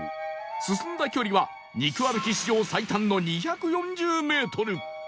進んだ距離は肉歩き史上最短の２４０メートル